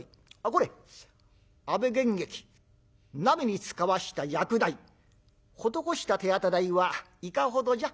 これ阿部玄益なみに使わした薬代施した手当て代はいかほどじゃ？